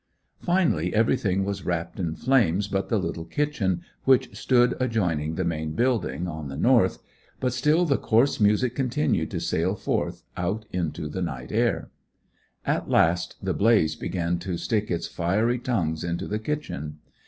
Finally everything was wrapped in flames but the little kitchen which stood adjoining the main building on the north, but still the coarse music continued to sail forth out onto the night air. At last the blaze began to stick its firey tongues into the kitchen.